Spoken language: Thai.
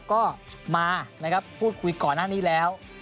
ก็มาพูดคุยก่อนหน้านี้แล้ว